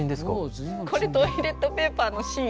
これトイレットペーパーの芯。